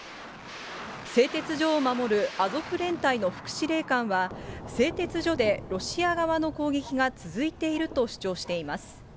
製鉄所を守るアゾフ連隊の副司令官は、製鉄所でロシア側の攻撃が続いていると主張しています。